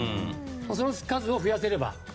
その数を増やせれば。